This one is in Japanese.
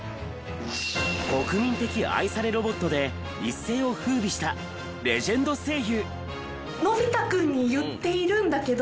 国民的愛されロボットで一世を風靡したレジェンド声優。